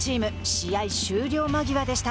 試合終了間際でした。